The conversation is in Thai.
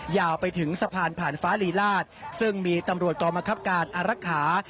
ยาวไปถึงสะพานผ่านฟ้าลีลาศซึ่งมีตำรวจกองมะครับการอารักษา